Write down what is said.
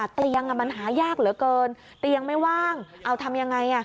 เตียงมันหายากเหลือเกินเตียงไม่ว่างเอาทำยังไง